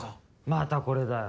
またこれだよ。